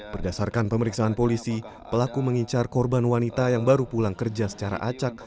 berdasarkan pemeriksaan polisi pelaku mengincar korban wanita yang baru pulang kerja secara acak